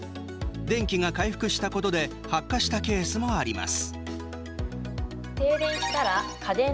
電気が回復したことで発火したケースもあります。